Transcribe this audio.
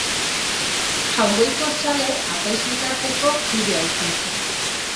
Jaungoiko-Zale apaiz-elkarteko kidea izan zen.